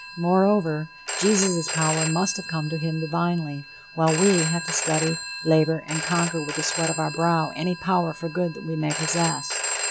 Moreover, Jesus' power must have come to him divinely, while we have to study, labor, and conquer with the sweat of our brow any power for good that we may possess.